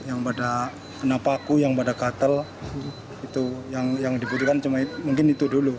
yang pada penapaku yang pada katel itu yang dibutuhkan cuma mungkin itu dulu